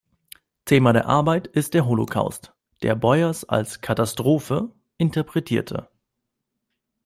Thema der Arbeit ist der Holocaust, den Beuys als „Katastrophe“ interpretierte.